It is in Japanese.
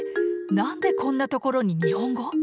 何でこんな所に日本語？